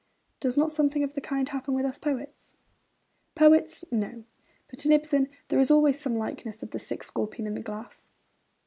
Does not something of the kind happen with us poets? Poets, no; but in Ibsen there is always some likeness of the sick scorpion in the glass.